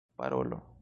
parolo